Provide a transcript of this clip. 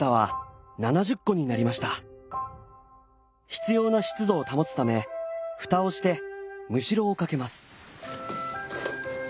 必要な湿度を保つためふたをしてむしろをかけます。